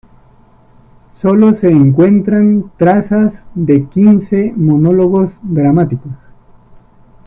Solo se encuentran trazas de quince monólogos dramáticos.